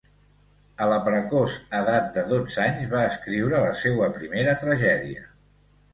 A la precoç edat de dotze anys, va escriure la seua primera tragèdia.